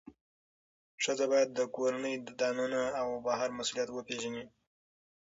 ښځه باید د کور دننه او بهر مسئولیت وپیژني.